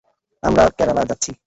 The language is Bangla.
আমরা কেরালা যাচ্ছি?